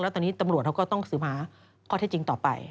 ตอนนี้ตำรวจเขาก็ต้องสืบหาข้อเท็จจริงต่อไป